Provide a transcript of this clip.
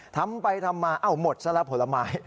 ทำไปทำมาหมดทรัพย์ผลไม้